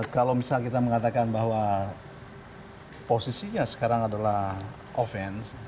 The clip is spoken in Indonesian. kalau misal kita mengatakan bahwa posisinya sekarang adalah offense